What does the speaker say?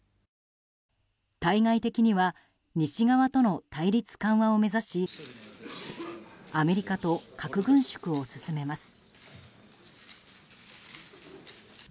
対外的には西側との対立緩和を目指しアメリカと核軍縮を進めます。